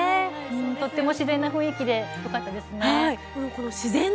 とても自然な雰囲気でよかったですね。